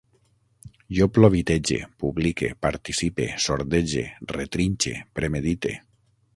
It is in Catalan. Jo plovitege, publique, participe, sordege, retrinxe, premedite